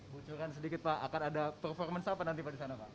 bucurkan sedikit pak akan ada performance apa nanti pada sana pak